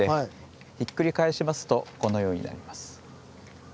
ひっくり返しますとこのようになります。